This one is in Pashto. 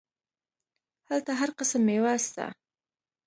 هلته هر قسم ميوه سته.